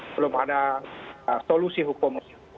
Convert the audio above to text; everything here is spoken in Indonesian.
belum ada solusi hukum